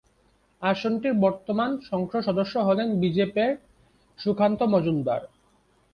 আসনটির বর্তমান সংসদ সদস্য হলেন বিজেপ-এর সুকান্ত মজুমদার।